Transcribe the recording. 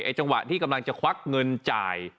จังหวะที่กำลังจะควักเงินจ่าย